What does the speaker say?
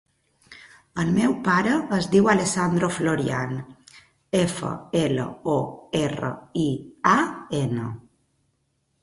El meu pare es diu Alessandro Florian: efa, ela, o, erra, i, a, ena.